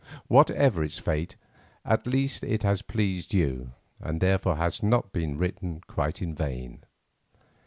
Whatever its fate, at least it has pleased you and therefore has not been written quite in vain.